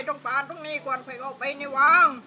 ต้องผ่านตรงนี้ก่อนค่อยออกไปในวัง